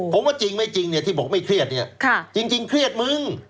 ผมว่าจริงไม่จริงเนี่ยที่บอกไม่เครียดเนี่ยจริงเครียดมึง